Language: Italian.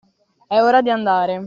È ora di andare.